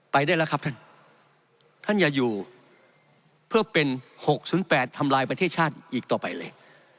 ได้แล้วครับท่านท่านอย่าอยู่เพื่อเป็น๖๐๘ทำลายประเทศชาติอีกต่อไปเลย